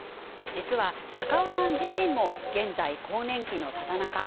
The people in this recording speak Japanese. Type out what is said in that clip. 実は高尾さん自身も現在、更年期のただ中。